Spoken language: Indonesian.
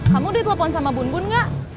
kamu ditelepon sama bunbun gak